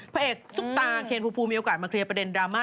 พระเอกซุปตาเคนภูมิมีโอกาสมาเคลียร์ประเด็นดราม่า